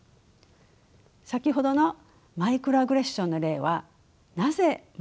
先ほどのマイクロアグレッションの例はなぜ問題なのでしょうか。